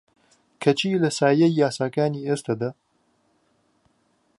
کەچی لە سایەی یاساکانی ئێستەدا